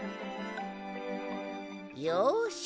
よし！